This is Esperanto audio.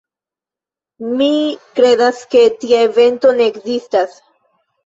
Mi kredas ke tia evento ne ekzistas.